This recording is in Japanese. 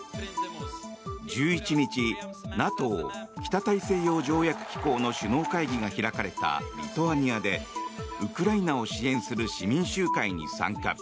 １１日ＮＡＴＯ・北大西洋条約機構の首脳会議が開かれたリトアニアでウクライナを支援する市民集会に参加。